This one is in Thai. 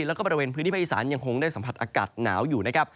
แล้วก็บริเวณพื้นที่ภาคอีสานยังคงได้สัมผัสอากาศหนาวอยู่นะครับ